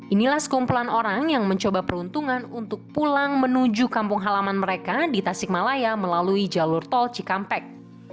inilah sekumpulan orang yang mencoba peruntungan untuk pulang menuju kampung halaman mereka di tasikmalaya melalui jalur tol cikampek